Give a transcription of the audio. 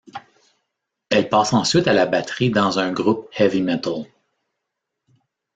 Elle passe ensuite à la batterie dans un groupe heavy metal.